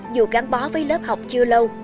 dù gắn bó với lớp học chưa lâu